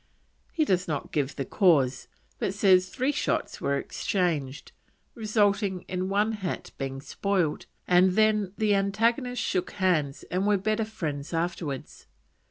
He does not give the cause, but says three shots were exchanged, resulting in one hat being spoiled, and then the antagonists shook hands and were better friends afterwards.